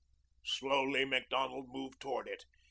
Slowly Macdonald moved toward it.